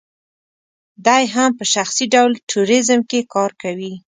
دی هم په شخصي ډول ټوریزم کې کار کوي.